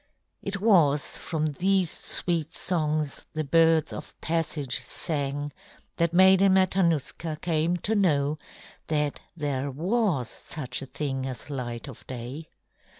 It was from these sweet songs the birds of passage sang that Maiden Matanuska came to know that there was such a thing as light of day.